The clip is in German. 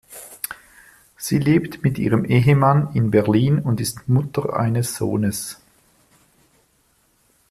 Sie lebt mit ihrem Ehemann in Berlin und ist Mutter eines Sohnes.